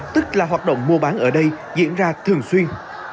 tức là hoạt động mua bán ở đây diễn ra thường xuyên